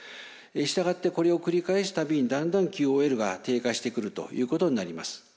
従ってこれを繰り返す度にだんだんＱＯＬが低下してくるということになります。